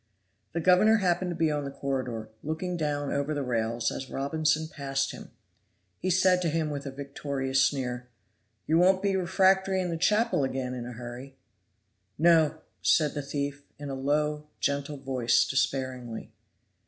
The governor happened to be on the corridor, looking down over the rails as Robinson passed him. He said to him, with a victorious sneer, "You won't be refractory in chapel again in a hurry." "No," said the thief, in a low, gentle voice, despairingly.